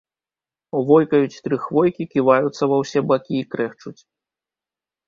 Войкаюць тры хвойкі, ківаюцца ва ўсе бакі і крэхчуць.